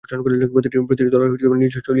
প্রতিটি তলার নিজস্ব শৈলী রয়েছে।